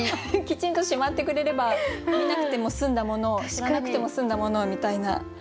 きちんとしまってくれれば見なくても済んだものを知らなくても済んだものをみたいな。